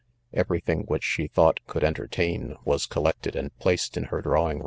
Eve ry thing which she thought could entertain, was flollficted_and__nJaced i n her drawing room.